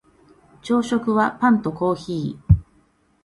朝食はパンとコーヒー